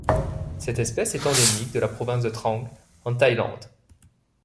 Cette espèce est endémique de la province de Trang en Thaïlande.